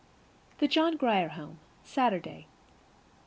THE JOHN GRIER HOME, Saturday.